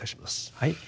はい。